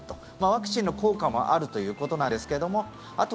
ワクチンの効果もあるということなんですがあと